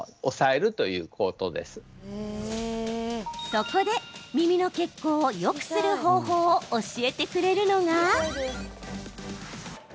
そこで耳の血行をよくする方法を教えてくれるのが。